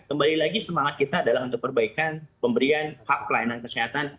kembali lagi semangat kita adalah untuk perbaikan pemberian hak pelayanan kesehatan